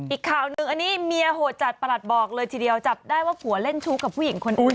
อีกข่าวหนึ่งอันนี้เมียโหดจัดประหลัดบอกเลยทีเดียวจับได้ว่าผัวเล่นชู้กับผู้หญิงคนอื่น